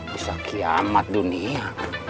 bisa kiamat dunia